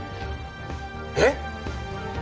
えっ！？